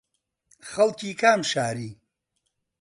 خەڵکی کام شاری